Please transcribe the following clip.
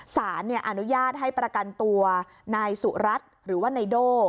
สารอนุญาตให้ประกันตัวนายสุรัตน์หรือว่านายโด่